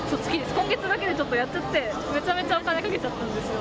今月だけで、ちょっとやっちゃって、めちゃめちゃお金かけちゃったんですよ。